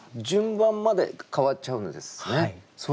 順番まで変わっちゃうんですね。